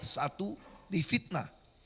satu di fitnah